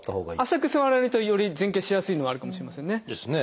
浅く座られるとより前傾しやすいのはあるかもしれませんね。